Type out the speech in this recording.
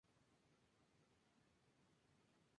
Fue socio del Ateneo de Madrid.